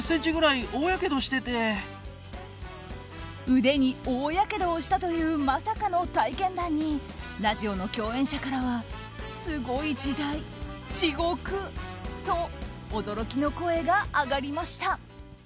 腕に大やけどをしたというまさかの体験談にラジオの共演者からはすごい時代、地獄と驚きの声が上がりました。